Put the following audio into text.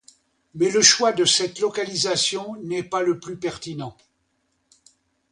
Mais le choix de cette localisation n'est pas le plus pertinent.